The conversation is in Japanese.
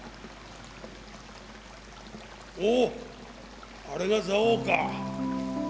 おっあれが蔵王か。